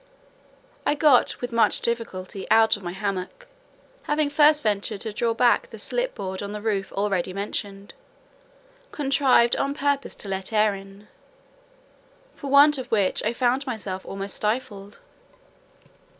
I got with much difficulty out of my hammock, having first ventured to draw back the slip board on the roof already mentioned, contrived on purpose to let in air, for want of which I found myself almost stifled.